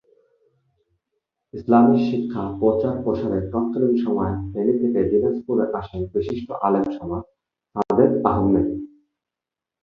ইসলামি শিক্ষার প্রচার-প্রসারে তৎকালীন সময়ে ফেনী থেকে দিনাজপুরে আসেন বিশিষ্ট আলেম সাদেক আহমদ।